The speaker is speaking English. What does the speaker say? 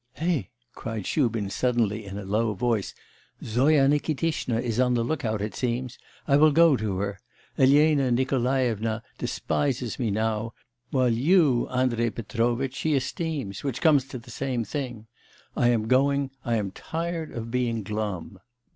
'Hey!' cried Shubin suddenly in a low voice, 'Zoya Nikitishna is on the lookout, it seems. I will go to her. Elena Nikolaevna despises me now, while you, Andrei Petrovitch, she esteems, which comes to the same thing. I am going; I'm tired of being glum.